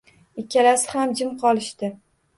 Ikkalasi ham jim qolishdi